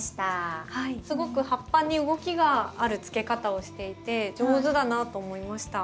すごく葉っぱに動きがあるつけ方をしていて上手だなと思いました。